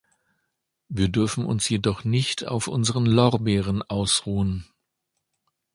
Wir dürfen uns jedoch nicht auf unseren Lorbeeren ausruhen.